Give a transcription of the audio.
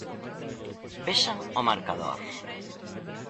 Vexan o marcador.